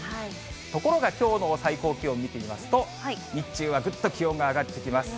ところがきょうの最高気温見てみますと、日中はぐっと気温が上がってきます。